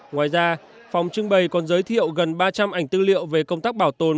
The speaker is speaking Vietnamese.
ngoài ra phòng trưng bày còn giới thiệu gần ba trăm linh ảnh tư liệu về công tác bảo tồn